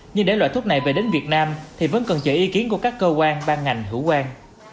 nhưng để loại thuốc này về đến việt nam thì vẫn cần chờ ý kiến của các cơ quan ban ngành hữu quan